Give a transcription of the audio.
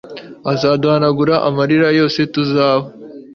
azaduhanagura amarira yose, tuzaba